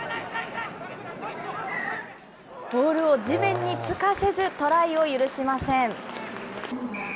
ボールを地面につかせず、トライを許しません。